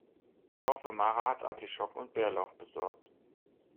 Ich hoffe, Mara hat Artischocken und Bärlauch besorgt.